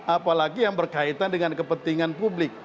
apalagi yang berkaitan dengan kepentingan publik